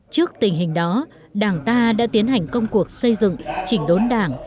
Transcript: trước tình hình đó đảng ta đã tiến hành công cuộc xây dựng chỉnh đốn đảng